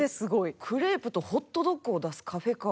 クレープとホットドッグを出すカフェカー。